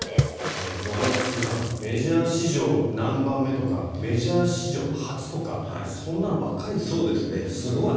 だからもう、堤さんメジャー史上何番目とかメジャー史上初とかそんなのばっかりですね。すごい。